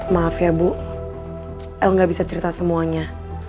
maaf ya bu el nggak bisa cerita semuanya